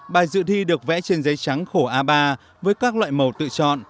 bài dự thi được vẽ trên giấy trắng khổ a ba với các loại màu tự chọn